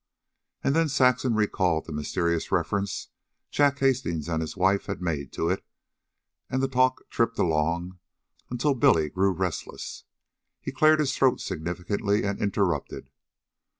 And then Saxon recalled the mysterious references Jack Hastings and his wife had made to it, and the talk tripped along until Billy grew restless. He cleared his throat significantly and interrupted.